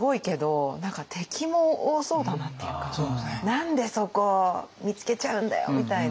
「何でそこ見つけちゃうんだよ」みたいな。